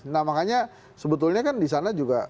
nah makanya sebetulnya kan di sana juga